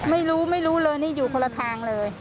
ไม่รู้ไม่รู้เลยนี่อยู่คนละทางเลย